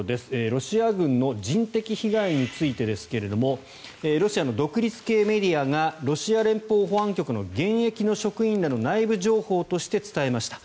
ロシア軍の人的被害についてですがロシアの独立系メディアがロシア連邦保安局の現役の職員らの内部情報として伝えました。